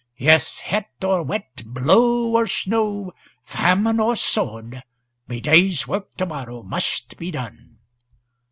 Yes, hot or wet, blow or snow, famine or sword, my day's work to morrow must be done."